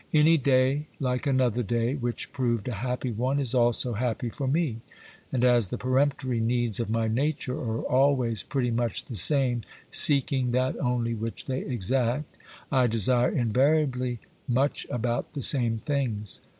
Any day like another day which proved a happy one is also happy for me; and as the peremptory needs of my nature are always pretty much the same, seeking that only which they exact, I desire invariably much about the same things.